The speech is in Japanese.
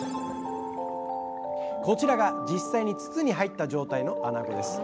こちらが実際に筒に入った状態のあなごです。